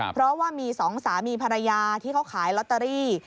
เพราะว่ามีสองสามีภรรยาที่เขาขายลอตเตอรี่